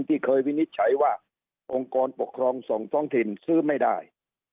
ที่เคยวินิจฉัยว่าองค์กรปกครองส่งท้องถิ่นซื้อไม่ได้